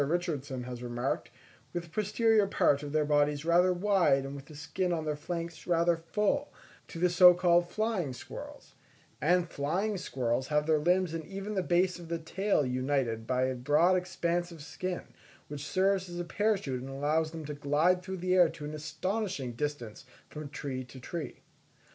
Richardson has remarked, with the posterior part of their bodies rather wide and with the skin on their flanks rather full, to the so called flying squirrels; and flying squirrels have their limbs and even the base of the tail united by a broad expanse of skin, which serves as a parachute and allows them to glide through the air to an astonishing distance from tree to tree.